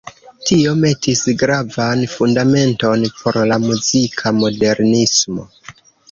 Tio metis gravan fundamenton por la muzika modernismo.